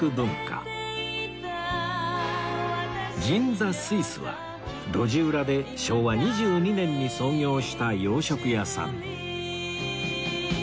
銀座スイスは路地裏で昭和２２年に創業した洋食屋さん